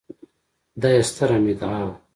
دا يې ستره مدعا ده